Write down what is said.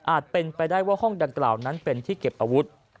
เป็นไปได้ว่าห้องดังกล่าวนั้นเป็นที่เก็บอาวุธ